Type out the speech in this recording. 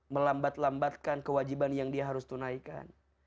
melambat lambatkan kewajiban yang dia harus tunaikan